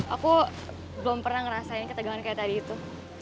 aku belum pernah ngerasain ketegangan kayak tadi itu